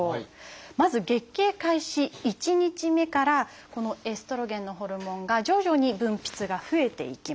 まず月経開始１日目からこのエストロゲンのホルモンが徐々に分泌が増えていきます。